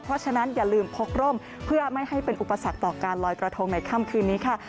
เพราะฉะนั้นอย่าลืมพกร่มเพื่อไม่ให้เป็นอุปสรรคต่อการลอยกระทงในค่ำคืนนี้ค่ะ